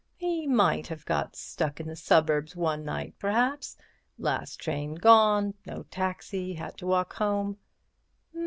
He might have got stuck in the suburbs one night, perhaps—last train gone and no taxi—and had to walk home."